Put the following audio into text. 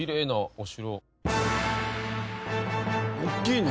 おっきいね！